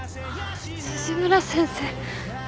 辻村先生。